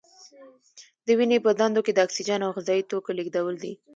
د وینې په دندو کې د اکسیجن او غذايي توکو لیږدول دي.